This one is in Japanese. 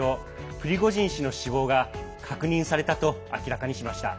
プリゴジン氏の死亡が確認されたと明らかにしました。